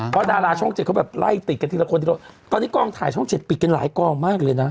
เพราะดาราช่อง๗เขาแบบไล่ติดกันทีละคนตอนนี้กล้องถ่ายช่อง๗ปิดกันหลายกล้องมากเลยนะ